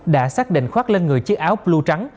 đã xác định khoát lên người chiếc áo blue trắng